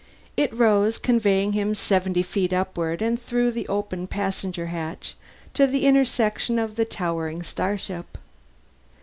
It rose, conveying him seventy feet upward and through the open passenger hatch to the inner section of the towering starship.